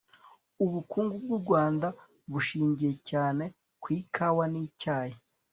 Ubukungu bw u Rwanda bushingiye cyane ku ikawa n icyayi